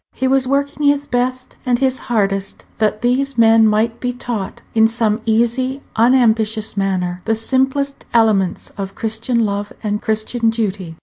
He was working his best and his hardest that these men might be taught, in some easy, unambitious manner, the simplest elements of Christian love and Christian duty.